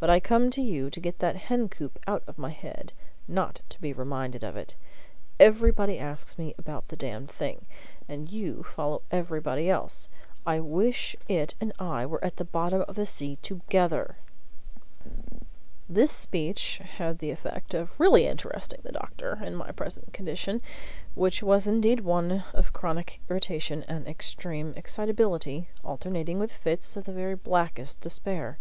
"But I come to you to get that hen coop out of my head, not to be reminded of it. Everybody asks me about the damned thing, and you follow everybody else. I wish it and I were at the bottom of the sea together!" This speech had the effect of really interesting the doctor in my present condition, which was indeed one of chronic irritation and extreme excitability, alternating with fits of the very blackest despair.